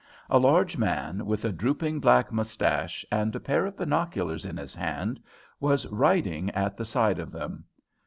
A large man with a drooping black moustache and a pair of binoculars in his hand was riding at the side of them.